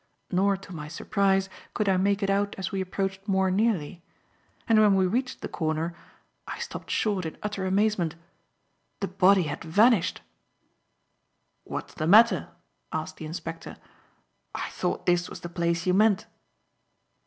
Nor, to my surprise, could I make it out as we approached more nearly; and when we reached the corner, I stopped short in utter amazement. The body had vanished! "What's the matter?" asked the inspector. "I thought this was the place you meant."